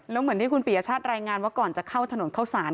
แล้วเหมือนที่คุณปียชาติรายงานว่าก่อนจะเข้าถนนเข้าสาร